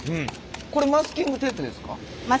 これマスキングテープですか？